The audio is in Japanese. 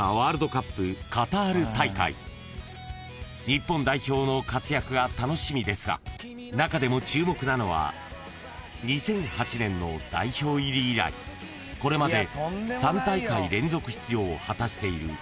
［日本代表の活躍が楽しみですが中でも注目なのは２００８年の代表入り以来これまで３大会連続出場を果たしている］